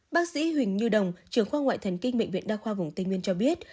bác sĩ huỳnh như đồng trưởng khoa ngoại thần kinh bệnh viện đa khoa vùng tây nguyên cho biết